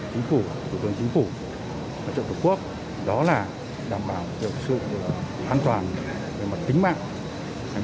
chính phủ tổ chức chính phủ tổ chức tổ quốc đó là đảm bảo hiệu sự an toàn về mặt tính mạng